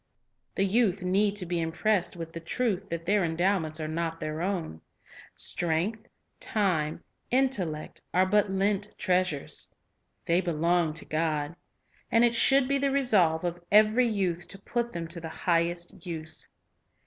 The youth need to be impressed with the truth that their endowments are not their own. Strength, time, intellect, are but lent treasures. They belong to God, and it should be the resolve of every youth to put them to the highest use.